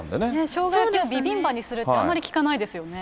しょうが焼きをビビンバにするって、あまり聞かないですよね。